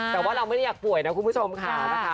แต่ว่าเราไม่ได้อยากป่วยนะคุณผู้ชมค่ะนะคะ